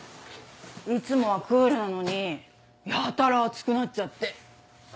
いつもはクールなのにやたら熱くなっちゃって。